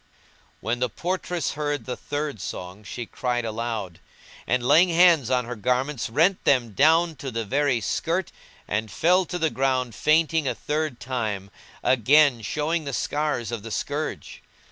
When the portress heard the third song she cried aloud; and, laying hands on her garments, rent them down to the very skirt and fell to the ground fainting a third time, again showing the scars of the scourge.